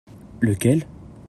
Lequel ?